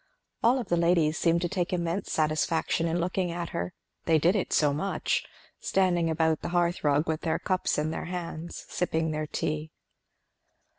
All of the ladies seemed to take immense satisfaction in looking at her, they did it so much; standing about the hearth rug with their cups in their hands, sipping their tea.